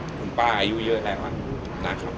คุณป้าอายุเยอะแล้วนะครับ